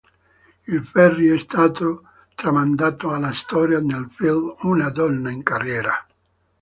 Il ferry è stato tramandato alla storia nel film "Una donna in carriera".